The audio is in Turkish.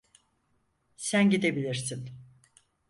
Sen gidebilirsin.